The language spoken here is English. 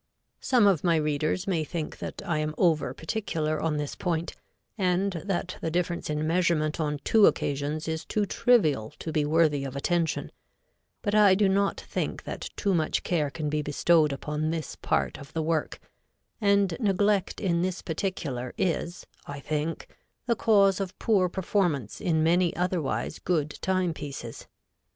Some of my readers may think that I am over particular on this point, and that the difference in measurement on two occasions is too trivial to be worthy of attention, but I do not think that too much care can be bestowed upon this part of the work, and neglect in this particular is, I think, the cause of poor performance in many otherwise good timepieces.